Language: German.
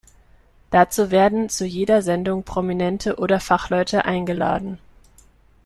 Dazu werden zu jeder Sendung Prominente oder Fachleute eingeladen.